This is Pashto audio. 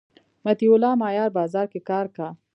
مطیع الله مایار بازار کی کار کا